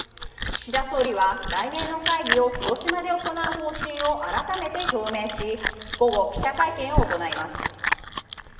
岸田総理は来年の会議を広島で行う方針を改めて表明し午後、記者会見を行います。